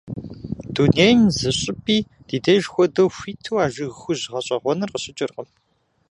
Дунейм зы щӀыпӀи ди деж хуэдэу хуиту а жыг хужь гъэщӀэгъуэныр къыщыкӀыркъым.